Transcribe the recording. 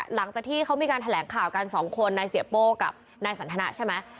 หลังจากที่เขามีการแถลงข่าวกันสองคนนายเสียโป้กับนายสันทนะใช่ไหม